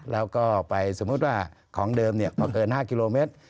แล้วก็ไปสมมุติว่าของเดิมมาเกิน๕กิโลเมตร